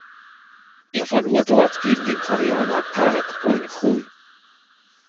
Er verlor dort gegen den Koreaner Park Eun-chul.